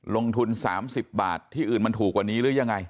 ลงทุน๓๐บาทที่อื่นมันถูกกว่านี้หรือยังไง